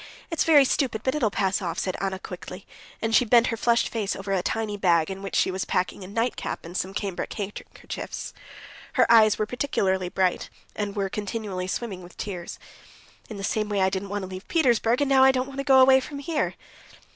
It's very stupid, but it'll pass off," said Anna quickly, and she bent her flushed face over a tiny bag in which she was packing a nightcap and some cambric handkerchiefs. Her eyes were particularly bright, and were continually swimming with tears. "In the same way I didn't want to leave Petersburg, and now I don't want to go away from here."